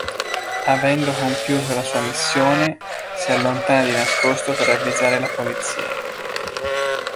Avendo compiuto la sua missione, si allontana di nascosto per avvisare la polizia.